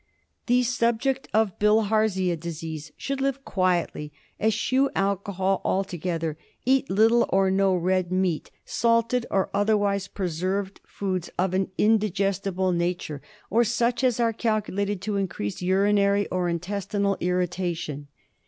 The subject of Bilharzia disease should live quietly, eschew alcohol altogether, eat little or no red meat, salted or otherwise preserved foods of an indigestible nature or 62 BILHARZIOSIS TREATMENT. such as are calculated to increase urinary or intestinal irritation.